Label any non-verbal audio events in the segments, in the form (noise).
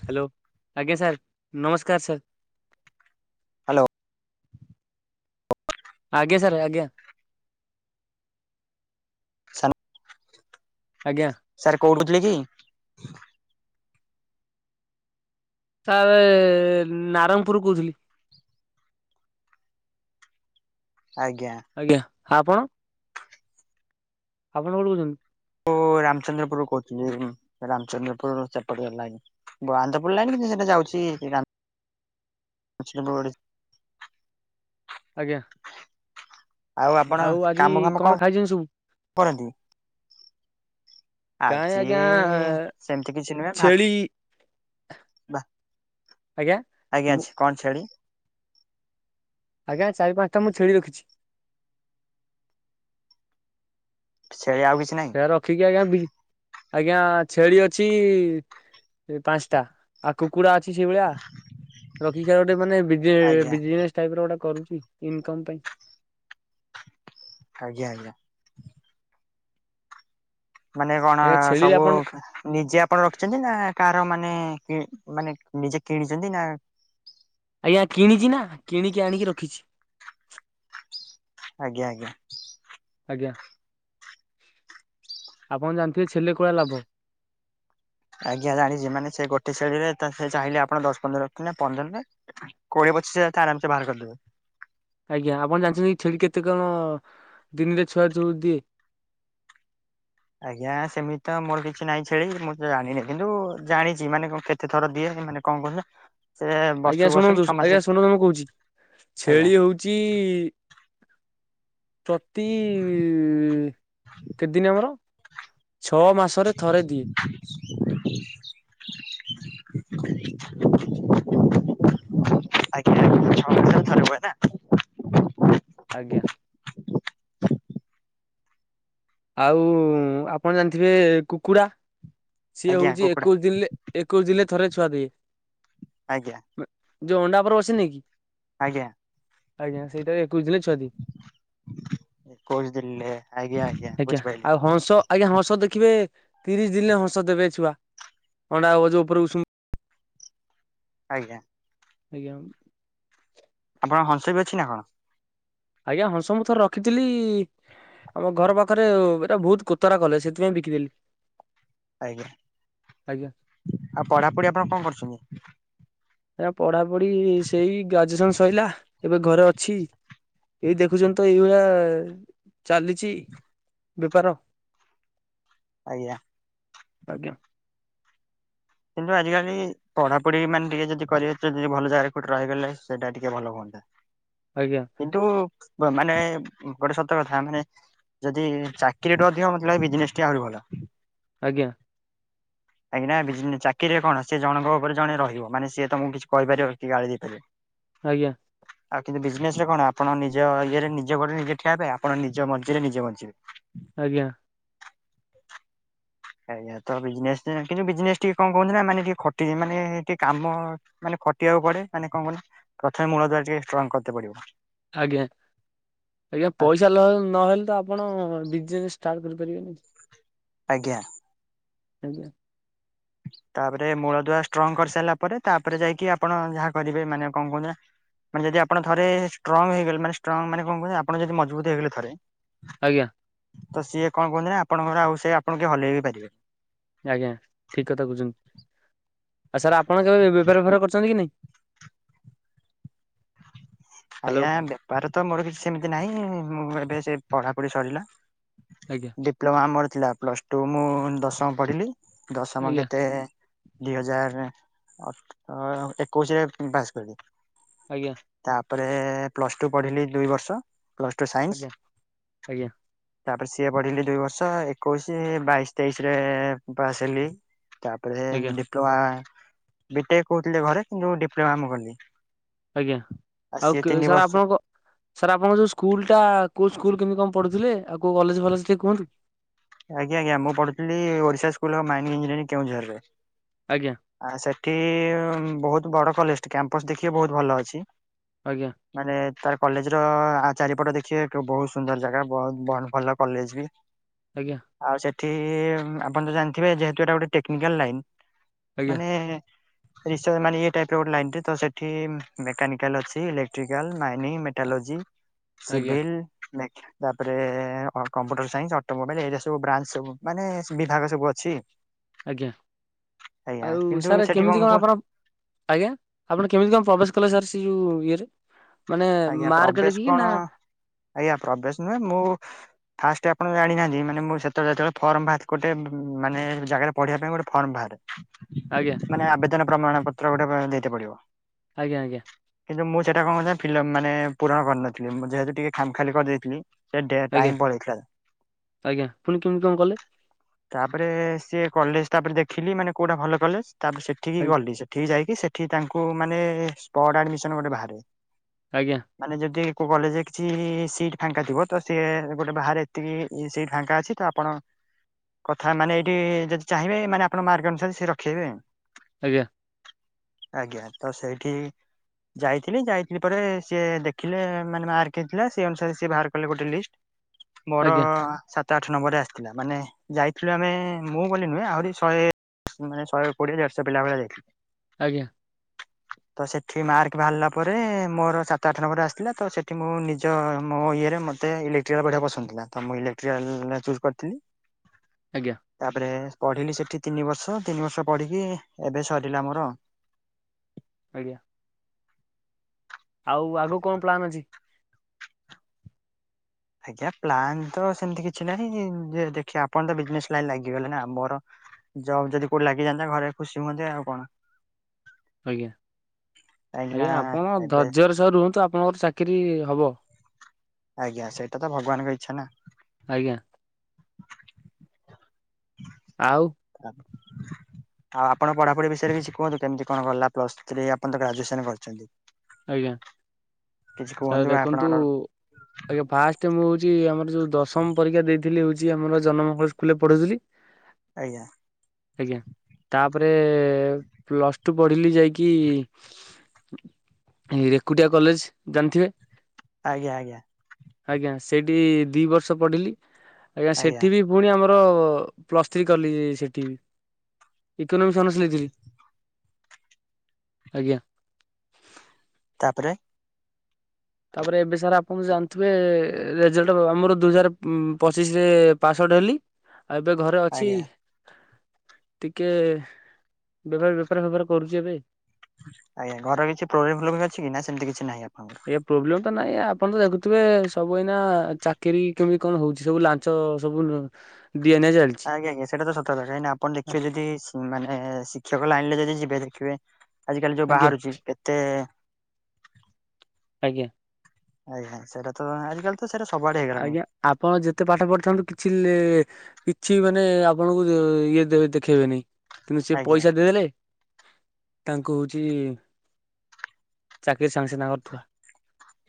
Hello ଆଜ୍ଞା sir ନମସ୍କାର sir. Hello. ଆଜ୍ଞା ସାର୍ ଆଜ୍ଞା। (inaudible) ଆଜ୍ଞା। ସାର୍ କୋଉଠୁ ଥିଲେ କି? ସାରେ ନାରଙ୍ଗପୁର ରୁ କହୁଥିଲି। ଆଜ୍ଞା। ଆଜ୍ଞା, ଆପଣ? ଆପଣ କୋଉଠୁ କହୁଛନ୍ତି? ଓ ରାମଚନ୍ଦ୍ରପୁରରୁ କହୁଥିଲି ମୁଁ ରାମଚନ୍ଦ୍ରପୁରରୁ ସେପଟେ ଲାଇନ୍। ବ- ଆନନ୍ଦପୁର ଲାଇନ୍ କିନ୍ତୁ ସେଟା ଯାଉଛି ଯେ ରା (inaudible) ଆଜ୍ଞା। ଆଉ ଆପଣ ଆଜି କାମ ଫାମ କଣ ଖାଇଛନ୍ତି ସବୁ କରନ୍ତି? କାଇଁ ଆଜି ଆଜ୍ଞା ସେମିତି କିଛି ସେ ନୁହେଁ ଭା ଛେଳି ବା ଆଜ୍ଞା। ଆଜ୍ଞା ମୁଁ ଛ-କଣ ଛେଳି? ଆଜ୍ଞା ଚାରି ପାନ୍ସଟା ମୁଁ ଛେଳି ରଖିଛି। ସେ ଆଉ କିଛି ନାହିଁ? ସେ ରଖିକି ଆଜ୍ଞା ବି-ଆଜ୍ଞା ଛେଳି ଅଛି ଏ ପାନ୍ସଟା। ଆଉ କୁକୁଡା ଅଛି ସେଇ ଭଳିଆ, ରଖିକି ସେ ଗୋଟେ ମାନେ ବିଜେ ଆଜ୍ଞା ବିଜିନେସ୍ ଟାଇପ୍ ର ଗୋଟା କରୁଚି ଇନକମ୍ ପାଇଁ। ଆଜ୍ଞା, ଆଜ୍ଞା। ମାନେ କଣ ଆଜ୍ଞା ଛେଳିରେ ସବୁ ଆପଣ ନିଜେ ଆପଣ ରଖିଛନ୍ତି ନା କାର ମାନେ କିଣି ମାନେ ନିଜେ କିଣିଛନ୍ତି ନା ଆଜ୍ଞା କିଣିଚି ନା କିଣିକି ଆଣିକି ରଖିଛି। ଆଜ୍ଞା, ଆଜ୍ଞା। ଆଜ୍ଞା, ଆପଣ ଜାଣିଥିବେ ଛେଲେ କୂଳା ଲାଭ। ଆଜ୍ଞା ଜାଣିଛି ମାନେ ସେ ଗୋଟେ ଛେଳିରେ ତ ସେ ଚାହିଁଲେ ଆପଣ ଦଶ ପନ୍ଦର ରଖିନା ନା ପନ୍ଦର ନୁହେଁ। କୋଡିଏ ପଚିଶ ହଜାର ତ ଆରାମସେ ବାହାର କରିଦେବେ। ଆଜ୍ଞା ଆପଣ ଜାଣିଛନ୍ତି ଛେଳି କେତେ କହ ଦିନିରେ ଛୁଆ ଯୋଉ ଦିଏ? ଆଜ୍ଞା ସେମିତି ତ ମୋର କିଛି ନାହିଁ ଛେଳି ମୁଁ ତ ଜାଣିନି, କିନ୍ତୁ ଜାଣିଛି ମାନେ କଣ କେ ତେ ଥର ଦିଏ ଏ ମାନେ କଣ କହିଲେ? ଆଜ୍ଞା ଶୁଣନ୍ତୁ ଆଜ୍ଞା ଶୁଣନ୍ତୁ ମୁଁ କହୁଚି, ଆଜ୍ଞା ଛେଳି ହଉଚି ପ୍ରତି କେତେଦିନ ଆମର? ଛଅ ମାସରେ ଥରେ ଦିଏ। ଆଜ୍ଞା ଛଅ ମାସରେ ଥରେ ହୁଏ ନା? ଆଜ୍ଞା। ଆଉ ଆପଣ ଜାଣିଥିବେ କୁକୁଡ଼ା ସିଏ ଆଜ୍ଞା ହଉଚି କୁକୁଡା ଏକୋଇଶ ଦିନରେ ଏକୋଇଶ ଦିନରେ ଥରେ ଛୁଆ ଦିଏ। ଆଜ୍ଞା। ଯୋଉ ଅଣ୍ଡା ଉପରେ ବସିନିକି, ଆଜ୍ଞା। ଆଜ୍ଞା ସେଇଟା ରେ ଏକୋଇଶ ଦିନରେ ଛୁଆ ଦିଏ। ଏକୋଉଶ ଦିନ ରେ ଆଜ୍ଞା ଆଜ୍ଞା। ଆଜ୍ଞା ବୁଝିପାରିଲି ଆଉ ହଂସ ଆଜ୍ଞା ହଂସ ଦେଖିବେ ତିରିଶ ଦିନରେ ହଂସ ଦେବେ ଛୁଆ। ଅଣ୍ଡା ହବ ଯୋଉ ଉପରେ ଉଷୁମ ଆଜ୍ଞା। ଆଜ୍ଞା ଆଉ। ଆପଣ ହଂସ ବି ଅଛି ନା କଣ? ଆଜ୍ଞା ହଂସ ମୁଁ ଥରେ ରଖିଥିଲି ଆମ ଘର ପାଖରେ ଏଇଟା ବହୁତ କୋତରା କଲେ ସେଥିପାଇଁ ବିକିଦେଲି। ଆଜ୍ଞା ଆଜ୍ଞା ଆଉ ପଢାପଢି ଆପଣ କଣ କରୁଚନ୍ତି? ଆଜ୍ଞା ପଢାପଢି ସେଇ ଗ୍ରାଜୁଏସନ ସଇଲା। ଏବେ ଘରେ ଅଛି ଏଇ ଦେଖୁଚନ୍ତି ତ ଏଇଭଳିଆ ଚାଲିଚି। ବେପାର। ଆଜ୍ଞା। ଆଜ୍ଞା। କିନ୍ତୁ ଆଜିକାଲି ପଢାପଢି ମାନେ ଟିକେ ଯଦି କରିିବେ ଯଦି ଭଲ ଜାଗାରେ କୁଉଠି ରହିଗଲେ ସେଇଟା ଟିକେ ଭଲ ହୁଅନ୍ତା। ଆଜ୍ଞା। କିନ୍ତୁ ମାନେ ଗୋଟେ ସତ କଥା ମାନେ ଯଦି ଚାକିରି ଠୁ ଅଧିକ ମୋତେ ଲାଗେ ବିଜନେସ ଟେ ଆହୁରି ଭଲ। ଆଜ୍ଞା। କାହିଁକି ନା ବିଯିନେ ଚାକିରିରେ କଣ ସେ ଜଣଙ୍କ ଉପରେ ଜଣେ ରହିବ ମାନେ ସିଏ ତମକୁ କିଛି କହିପାରିବ କି ଗାଳି ଦେଇପାରିବ। ଆଜ୍ଞା। ଆଉ କିନ୍ତୁ ବିଜିନେସ ରେ କଣ ଆପଣ ନିଜ ଇଏରେ ନିଜ ଘରେ ନିଜେ ଠିଆ ହେବେ ଆପଣ ନିଜ ମଜିରେ ନିଜେ ବଞ୍ଚିବେ। ଆଜ୍ଞା। ଆଜ୍ଞା ତ ବିଜନେସ କିନ୍ତୁ ବିଜନେସ୍ ଟିକେ କଣ କହନ୍ତି ନା ମାନେ ଟିକେ ଖଟିଛି ମାନେ ଟିକେ କାମ ମାନେ ଖଟିବାକୁ ପଡେ ମାନେ କଣ କହିଲ ପ୍ରଥମେ ମୂଳ ଦ୍ଵାର ଟିକେ ଷ୍ଟ୍ରଙ୍ଗ୍ କରିତେ ପଡିବ। ଆଜ୍ଞା ଆଜ୍ଞା ଫାଷ୍ଟ ପଇସା ନହ ନହେଲେ ତ ଆପ ଆପଣ ବିଜନେସ୍ ଷ୍ଟାର୍ଟ କରିପାରିବେନି। ଆଜ୍ଞା। ଆଜ୍ଞା। ତାପରେ ମୂଳ ଦୁଆ ଷ୍ଟ୍ରଙ୍ଗ କରିସାରିଲା ପରେ ତାପରେ ଯାଇକି ଆପଣ ଯାହା କରିବେ ମାନେ କଣ କହୁନ୍ତି ନା ମାନେ ଯଦି ଆପଣ ଥରେ ଷ୍ଟ୍ରଙ୍ଗ୍ ହେଇଗଲେ ମାନେଷ୍ଟ୍ରଙ୍ଗ୍ ମାନେ କଣ କହୁ ଆପଣ ଯଦି ମଜବୁତ୍ ହେଇଗଲ ଥରେ ଆଜ୍ଞା। ତ ସିଏ କଣ କୁହନ୍ତି ନା ଆପଣଙ୍କର ଆଉ ସେଏ ଆପଣ କିଏ ହଲେଇ ବି ପାରିବେନି। ଆଜ୍ଞା ଠିକ୍ କଥା କହୁଚନ୍ତି ଆଉ ସାର୍ ଆପଣ କେବେ ବେପାର ଫେବାର କରଛନ୍ତି କି ନାଇଁ? ହ୍ୟାଲୋ ଆଜ୍ଞା ବେପାର ତ ମୋର କିଛି ସେମିତି ନାହିଁ ମୁଁ ଏବେ ସେ ପଢାପଢି ସରିଲା। ଆଜ୍ଞା। ଡିପ୍ଲୋମା ମୋରଥିଲା ପ୍ଲସ ଟୁ ମୁଁ ଦଶମ ପଢିଲି ଦଶମ ଆଜ୍ଞା କେତେ ଦୁଇ ହଜାର ଅ ଏକୋଇଶିରେ ପାସକଲି ଆଜ୍ଞା। ତା ପରେରେ ପ୍ଲସ ଟୁ ପଢିଲି ଦୁଇ ବର୍ଷ ପ୍ଲସ ଟୁ ଆଜ୍ଞା ସାଇନ୍ସି ତାପରେ ସିଏ ପଢିଲି ଦୁଇ ବର୍ଷ ଏକୋଇଶ ବାଇଶି ତେଇଶିରେ ପାସହେଲି ତାପରେ ଆଜ୍ଞା ଡିପ୍ଲୋମା ବିଟେକେ କହୁଥିଲେ ଘରେ କିନ୍ତୁ ଡିପ୍ଲୋମା ମୁଁ କଲି ଆଜ୍ଞା ସିଏ ଆଉ ତିନି ସାର ବର୍ଷ ଆପଣଙ୍କ ସାର ଆଣଙ୍କ ଯୋଉ ସ୍କୁଲଟା କୋଉ ସ୍କୁଲ କେମିତି କଣ ପଢୁଥିଲେ ଆଉ କଲେଜ ଫଲେଜ କୁହନ୍ତୁ। ଆଜ୍ଞା ଆଜ୍ଞାମୁଁ ପଢୁଥିଲ ଓଡିଶା ସ୍କୁଲ ମାଇନିଂର ଇଞ୍ଜିିୟରିଙ୍ଗ୍ କେଉଁଝରରେ ଆଜ୍ଞା। ଆ ସେଠି ବହୁତ ବଡ କଲେଜ କ୍ୟାମ୍ପସ ଦେଖିବ ବହୁତ ଭଲ ଅଛି। ଆଜ୍ଞା। ମାନେ ତାର କଲେଜର ଚାରିପଟ ଦେଖିବେ ବହୁତ ସୁନ୍ଦର ଜାଗା ବହୁତ ଭଲ କଲେଜବି ଆଜ୍ଞା। ଆଉ ସେଠି ଆପଣତ ଜାଣିଥିବେ ଯେହେତୁ ଏଟା ଗୋଟେ ଟେକ୍ନିକାଲ ଲାଇନ। ଆଜ୍ଞା ମାନେ ରିସରଚ ମାନେ ଇଏ ଟାଇପର ଗୋଟେ ଲାଇନଟେ ସେଠି ମେକାନିକାଲ ଅଛି ଇଲେକ୍ଟ୍ରିକାଲ ମାଇନିଂ ମେଟାଲୋଜି ଆଜ୍ଞା ସିଭିଲ ତାପରେ ମେ କମ୍ପୁଟର ସାଇନ୍ସ ଅଟୋ ମୋବାଇଲ ଏଇରା ସବୁ ବ୍ରାଞ୍ଚ ସବୁ ମାନେ ବିଭାଗ ସବୁ ଅଛି। ଆଜ୍ଞା, ଆଜ୍ଞା ଆଉ କିନ୍ତୁ ସାର ସେଠି କେମିତି କଣ ଆପଣ ଆଜ୍ଞା ଆପଣ କେମିତି କଣ ପ୍ରବେଶ କଲେ ସାର ସେ ଯୋଉ ଇଏରେ ମାନେ ଆଜ୍ଞା ମାର୍କ ପ୍ରବେଶ କଣ ଦେଖିକିନା ଆଜ୍ଞା ପ୍ରବେସ ନୁହେଁ ମୁଁ ଫାଷ୍ଟ ଆପଣ ଜାଣିନାହାନ୍ତି ମାନେ ମୁଁ ସେତେଳେ ଯେତେବେଳେ ଫର୍ମ ବାହାରେ ଗୋଟେ ମାନେ ଜାଗାରେ ପଢିବା ପାଇଁ ଗୋଟେ ଫର୍ମ ବାହାରେ (inaudible) ଆଜ୍ଞା। ମାନେ ଆବେଦନ ପ୍ରମାଣ ପତ୍ର ଗୋଟେ ଦେଇତେ ପଡିବ। ଆଜ୍ଞା ଆଜ୍ଞା। କିନ୍ତୁ ମୁଁ ସେଟା କଣ କରିଥିନା ଫିଲ ମାନେ ପୂରଣ କରିନଥିଲି ମୁଁ ଯେହେତୁ ଟିକେ ଖାମଖାଲି କରିଦେଇଥିଲି। ସେ ଡେ ଆଜ୍ଞା ଟାଇମ ପଳେଇଥିଲା। ଆଜ୍ଞା ପୁଣି କେମିତି କଣ କଲେ? ତାପରେ ସିଏ କଲେଜ ତାପରେ ଦେଖିଲି ମାନେ କୋଉଟା ଭଲ କଲେଜ ତାପରେ ସେଠିକି ଆଜ୍ଞା ଗଲି ସେଠ ସେଠି ଯାଇକି ସେଠି ତାଙ୍କୁ ମାନେ ସ୍ପଡ ଆଡମିସନ ଗୋଟେ ବାହାରେ। ଆଜ୍ଞା। ମାନେ ଯଦି କୋଉ କଲେଜରେ କିଛି ସିଟ ଫାଙ୍କାଥିବ ତ ସିଏ ଗୋଟେ ବାହାରେ ଏତିକି ସିଟ ଫାଙ୍କା ଅଛିତ ଆପଣ କଥା ମାନେ ଏଇଠି ଯଦି ଚାହିଁବେ ମାନେ ଆପଣ ମାର୍କ ଅନୁସାରେ ସେ ରଖେଇବେ। ଆଜ୍ଞା। ଆଜ୍ଞା ତ ସେଇଠି ଯାଇଥିଲି ଯାଇ ପରେ ସିଏ ଦେଖିଲେ ମାନେ ମାରକ ହେଇଥିଲା ସେଇ ଅନୁସାରେ ସିଏ ବାହାରକଲେ ଗୋଟେଲିଷ୍ଟ। ମୋର ଆଜ୍ଞା ସା ତ ଆଠ ନମ୍ବରରେ ଆସିଥିଲା ମାନେ ଯାଇଥିଲୁ ଆମେ ମୁଁ ବୋଲି ନୁହେଁ ଆହୁରି ଶହେ ମାନେ ଶହେ କୋଡିଏ ଦେଡ୍ଶ ପିଲା ଭଳିଆ ଯାଇଥିଲୁ। ଆଜ୍ଞା। ତ ସେଠି ମାର୍କ ବାହାରିଲା ପରେ ରେ ମୋର ସାତ ଆଠ ନମ୍ବର ଆସିଥିଲା ତ ସେଠି ମୁଁ ନିଜ ମୋ ଇଏରେ ମତେ ଇଲେକ୍ଟ୍ରିକାଲ ପଢିବା ପସନ୍ଦ ଥିଲା। ତ ମୁଁ ଇଲେକ୍ଟ୍ରାଲ ଚୁଜ କରିଥିଲି। ଆଜ୍ଞା। ତାପରେ ପଢିଲି ସେଠି ତିନିବର୍ଷ ତିନିବର୍ଷ ପଢିକି ଏବେ ସରିଲା ମୋର। ଆଜ୍ଞା। ଆଉ ଆଗୁ କଣ ପ୍ଲାନ ଅଛି? ଆଜ୍ଞା ପ୍ଲାନତ ସେମିତି କିଛି ନାହିଁ ଯେ ଦେଖିଆ ଆପଣତ ବିଜନେସ ଲାଇନ ଲାଗିଗଲେନା ମୋର ଜବ ଯଦି କୋଉଠି ଲାଗିଯାଆନ୍ତା ଘରେ ଖୁସି ହୁଅନ୍ତେ ଆଉ କଣ। ଆଜ୍ଞା, କାହିଁକି ନା ଆଜ୍ଞା ଆପଣ ଏବେ ଧର୍ଯ୍ୟର ସହ ରୁହନ୍ତୁ ଆପଣଙ୍କର ଚାକିରି ହବ। ଆଜ୍ଞା, ସେଇଟା ତ ଭଗବାନଙ୍କ ଇଚ୍ଛା ନା। ଆଜ୍ଞା। ଆଉ (unintelligible) ଆଉ ଆପଣ ପଢ଼ାପଢ଼ି ବିଷୟରେ କିଛି କୁହନ୍ତୁ, କେମିତି କଣ ଗଲା ପ୍ଲସ୍ ଥ୍ରୀ, ଆପଣ ତ ଗ୍ରାଜୁଏସନ୍ କରିଛନ୍ତି। ଆଜ୍ଞା, କିଛି ସାର୍ କୁହନ୍ତୁ ଦେଖନ୍ତୁ ଆପଣଙ୍କର ଆଜ୍ଞା, ଫାଷ୍ଟେ ମୁଁ ହୋଉଛି ଆମର ଯୋଉ ଦଶମ ପରୀକ୍ଷା ଦେଇଥିଲି ହୋଉଛି ଆମର ଜନମଙ୍ଗଳ ସ୍କୁଲ୍ ରେ ପଢ଼ୁଥିଲି। ଆଜ୍ଞା। ଆଜ୍ଞା। ତା'ପରେ ପ୍ଲସ୍ ଟୁ ପଢ଼ିଲି ଯାଇକି-ଇ ଏଇ ରେକୁଟିଆ କଲେଜ୍ ଜାଣିଥିବେ? ଆଜ୍ଞା, ଆୟାଁ। ଆଜ୍ଞା। ସେଇଠି ଦି ବର୍ଷ ପଢ଼ିଲି। ଆଜ୍ଞା, ଆଜ୍ଞା ସେଠି ବି ଫୁଣି ଆମର ପ୍ଲସ୍ ଥ୍ରୀ କଲି-ଇ ସେଠି ବି। ଇକୋନୋମିକ୍ସ ଅନର୍ସ ନେଇଥିଲି। ଆଜ୍ଞା। ତା' ପରେ? ତା'ପରେ ଏବେ ସାର୍ ଆପଣ ଜାଣିଥିବେ-ଏ, ରେଜଲ୍ଟ ଆମର ଦୁଇ ହଜାର ଉମ୍ ପଚିଶିରେ ପାସ୍ ଆଉଟ୍ ହେଲି। ଆଉ, ଏବେ ଘରେ ଅଛି। ଆଜ୍ଞା। ଟିକେ-ଏ ବେପାର ବେପାର ଫେପାର କରୁଛି ଏବେ। ଆଜ୍ଞା। ଘରେ କିଛି ପ୍ରୋବ୍ଲେମ୍ ଫ୍ରୋବ୍ଲେମ୍ ଅଛି କି? ନା ସେମିତି କିଛି ନାହିଁ ଆପଣଙ୍କର? ଏଇଆ ପ୍ରୋବ୍ଲେମ୍ ତ ନାଇଁ, ଆପଣ ତ ଦେଖୁଥିବେ ସବୁ ଏଇନା ଚାକିରୀ କେମିତି କଣ ହଉଛି। ସବୁ ଲାନ୍ ଞ୍ଚ ସବୁ ଲୁ ଦିଆ ନିିଆ ଚାଲ୍ ଆଜ୍ଞା, ଆଜ୍ଞା। ସେଟା ତ ସତ କଥା କାହିଁକି ନା ଆପଣ ଦେଖିବେ, ଯଦି ମାନେ ଶିକ୍ଷକ ଲାଇନଲେ ଯଦି ଯିବେ, ଦେଖିବେ। ଆଜି କାଲି ଯୋଉ ଆଜ୍ଞା ବାହାରୁଛି, କେତେ ଆଜ୍ଞା। ଆଜ୍ଞା, ସେଇଟା ତ ଆଜିକାଲି ତ ସେଟା ସବୁ ଆଡ଼େ ହେଇ ଗଲାଣି। ଆଜ୍ଞା ଆପଣ ଯେତେ ପାଠ ପଢ଼ିଥାନ୍ତୁ। କିଛି ଲେ କିଛି ମାନେ ଆପଣଙ୍କୁ ଯୋଉ ଇଏ ଦେ-ଦେଖେଇ ବେନି। କିନ୍ତୁ ସେ ଆଜ୍ଞା ପଇସା ଦେଇଦେଲେ ତାଙ୍କୁ ହୋଉଛି, ଚାକିରୀ ସାଙ୍ଗେ ସାଙ୍ଗେ ତାଙ୍କର ଥୁଆ।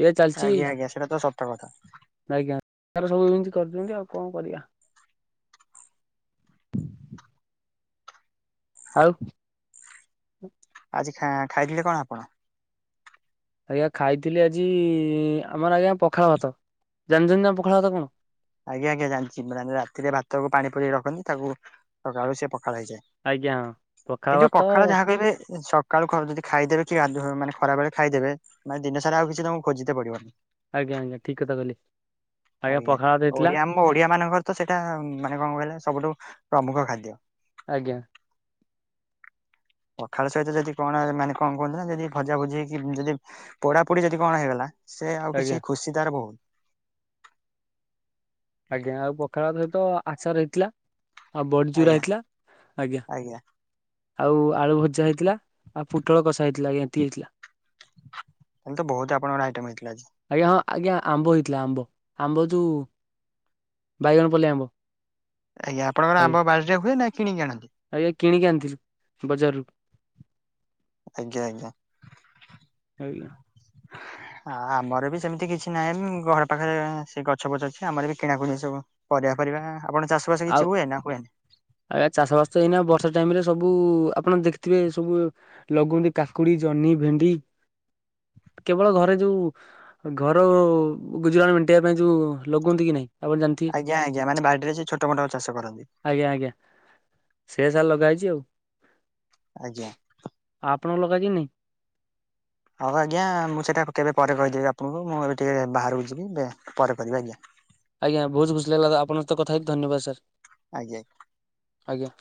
ଏଇଆ ଚାଲିଛି ଆଜ୍ଞା, ଆଜ୍ଞା, ସେଟା ତ ସତ କଥା। ଆଜ୍ଞା। (inaudible) ସବୁ ଏମିତି କରି ଦିଅନ୍ତି, ଆଉ କଣ କରିଆ? (inaudible) ଆଉ! ଆଜି ଖାଁ ଖାଇଥିଲେ କଣ ଆପଣ? ଆଜ୍ଞା। ଖାଇ ଥିଲି ଆଜି-ଇ ଆମର ଆଜ୍ଞା, ପଖାଳ ଭାତ। ଜାଣିଛନ୍ତି ନା ପଖାଳ ଭାତ କଣ? ଆଜ୍ଞା ଆଜ୍ଞା, ଜାଣିଚି। ମାନେ, ରାତିରେ ଭାତକୁୁ ପାଣି ପୁରେଇ ରଖନ୍ତି, ତାକୁ ସକାଳୁ ସିଏ ପଖାଳ ହେଇଯାଏ। ଆଜ୍ଞା ହଁ କିନ୍ତୁ ଭାତ ପଖାଳ ଯାହା କହିବେ ସ କାଳୁ ଖ ଯଦି ଖାଇଦେବେ, କି ଗାଧୁଆ ମାନେ ଖରା ବେଳେ ଖାଇଦେବେ। ମାନେ ଦିନ ସାରା ଆଉ କିଛି ତମକୁ ଖୋଜିତେ ପଡ଼ିବନି। ଆଜ୍ଞା ଆଜ୍ଞା। ଠିକ୍ କଥା କହିଲେ। ଆଜ୍ଞା, ପଖାଳ ଭାତ ହେଇଥିଲା। ଆମ ଓଡ଼ିଆ ମାନଙ୍କର ତ ସେଟା ଉଁ ମାନେ କଣ କହିଲେ? ସବୁଠୁ ପ୍ରମୁଖ ଖାଦ୍ୟ। ଆଜ୍ଞା। (inaudible) ପଖାଳ ସହିତ ଯଦି କଣ ମାନେ କଣ କୁହନ୍ତି ନା? ଯଦି ଭଜା ଭୁଜି ହେଇକି, ଯଦି ପୋଡ଼ା ପୁଡ଼ି ଯଦି କଣ ହେଇଗଲା। ସେ ଆଉ ଆଜ୍ଞା କିଛି ଖୁସି ତାର ବୋହୁତ୍। ଆଜ୍ଞା। ଆଉ, ପଖାଳ ଭାତ ସହିତ ଆଚାର ହେଇଥିଲା। ଆଉ ବଡ଼ି ଚୁରା ଆଜ୍ଞା ହେଇଥିଲା। ଆଜ୍ଞା। ଆଉ ଆଳୁ ଭଜା ହେଇଥିଲା, ଆଉ ପୋଟଳ କଷା ହେଇଥିଲା। ଆଜ୍ଞା ଏତିକି ହେଇଥିଲା। ଆଜି ତ, ବୋହୁତ୍ ଆପଣଙ୍କର ଆଇଟମ୍ ହେଇଥିଲା ଆଜି। ଆଜ୍ଞା ହଁ, ଆଜ୍ଞା ଆମ୍ବ ହେଇଥିଲା ଆମ୍ବ। ଆମ୍ବ ଯୋଉ ବାଇଗଣ ପଲେଇ ଆମ୍ବ। ଆଜ୍ଞା, ଆପଣଙ୍କ ଆମ୍ବ ବାଡିରେ ହୁଏ ନା କିଣିକି ଆଣନ୍ତି। ଆୟା, କିଣିକି ଆଣିଥିଲୁ ବଜାରରୁ। ଆଜ୍ଞା ଆଜ୍ଞା। ଆଜ୍ଞା। (inaudible) ଆ ଆମରବି ସେମିତି କିଛି ନାହିଁ ଘର ପାଖରେ ସେ ଗଛ ବଛ ଅଛି ଆମରବି କିଣାକୁଣି ସବୁ। ପରିବା ଫରିବା ଆପଣ ଚାଷବାସ ଆଉ କିଛି ହୁଏ ନାହୁଏନି? ଆଜ୍ଞା ଚାଷ ବାସତ ଏଇନା ବର୍ଷା ଟାଇମରେ ସବୁ ଆପଣ ଦେଖିଥିବେ ସବୁ ଲଗୁଅନ୍ତି କାକୁଡ଼ି ଜହ୍ନି ଭେଣ୍ଡି କେବଳ ଘରେ ଯୋଉ ଘର ଗୁଜୁରାଟ ମେଣ୍ଟେଇିବା ପାଇଁ ଯୋଉ ଲଗୁଅନ୍ତିକି ନାଇଁ। ଆପଣ ଜାଣିଥିବେ ଆଜ୍ଞା ଆଜ୍ଞା ମାନେ ବାଡ଼ିରେ ଯେ ଛୋଟ ମୋଟ ଚାଷ କରନ୍ତି। ଆଜ୍ଞା ଆଜ୍ଞା। ସେସାରା ଲଗା ହେଇଚି ଆଉ। ଆଜ୍ଞା। ଆ ଆପଣଙ୍କର ଲଗାକି ନାଇଁ। ହଉ ଆଜ୍ଞା ମୁଁ ସେଇଟା କେବେ ପରେ କହିଦେବି ଆପଣଙ୍କୁ ମୁଁ ଏବେ ଟିକେ ବାହାରକୁ ଯିବି ପରେ କରିବି ଆଜ୍ଞା। ଆଜ୍ଞା ବହୁତ୍ ଖୁସି ଲାଗିଲା ଆପଣଙ୍କ ସହିତ କଥା ହେଇକି ଧନ୍ୟବାଦ ସାର୍। ଆଜ୍ଞା। ଆଜ୍ଞା।